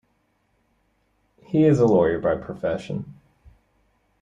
He a is lawyer by profession.